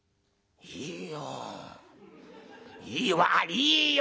いいよ。